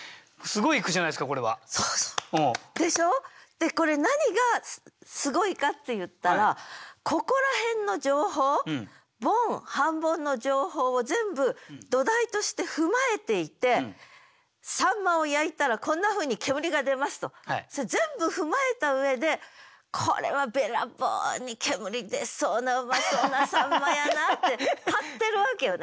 でこれ何がすごいかっていったらここら辺の情報ボン半ボンの情報を全部土台として踏まえていて秋刀魚を焼いたらこんなふうに煙が出ますと全部踏まえた上で「これはべらぼうに煙出そうなうまそうな秋刀魚やな」って買ってるわけよね。